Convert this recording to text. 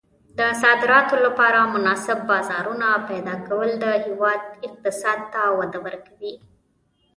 د صادراتو لپاره مناسب بازارونه پیدا کول د هېواد اقتصاد ته وده ورکوي.